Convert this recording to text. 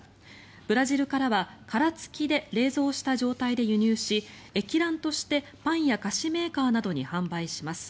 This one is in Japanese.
ブラジルからは殻付きで冷蔵した状態で輸入し液卵としてパンや菓子メーカーなどに販売します。